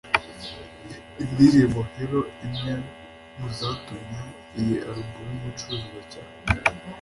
Indirimbo ‘Hello’ imwe mu zatumye iyi album icuruzwa cyane